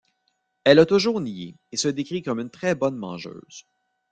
Elle a toujours nié et se décrit comme une très bonne mangeuse.